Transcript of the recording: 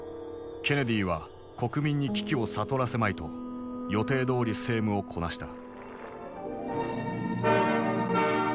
ケネディは国民に危機を悟らせまいと予定どおり政務をこなした。